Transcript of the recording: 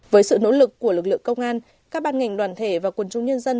với sự nỗ lực của lực lượng công an các ban ngành đoàn thể và quần trung nhân dân